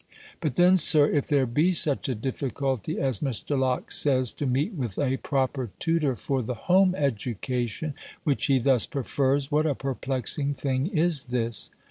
But then, Sir, if there be such a difficulty as Mr. Locke says, to meet with a proper tutor for the home education, which he thus prefers, what a perplexing thing is this.